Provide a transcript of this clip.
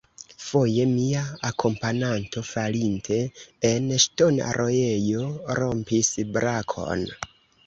Foje mia akompananto, falinte en ŝtona rojejo, rompis brakon.